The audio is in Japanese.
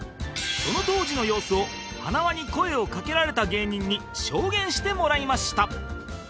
その当時の様子を塙に声をかけられた芸人に証言してもらいました